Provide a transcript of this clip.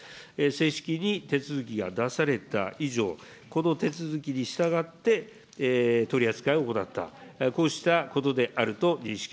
正式に手続きが出された以上、この手続きに従って取り扱いを行った、こうしたことであると認識